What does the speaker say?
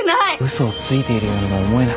嘘をついているようにも思えなくて。